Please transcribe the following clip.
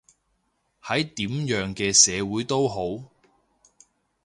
喺點樣嘅社會都好